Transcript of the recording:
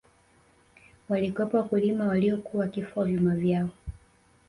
walikuwepo wakulima waliyokuwa wakifua vyuma vyao